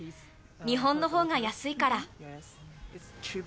日本のほうが安いから。